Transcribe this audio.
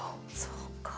そうか。